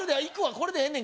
これでええねん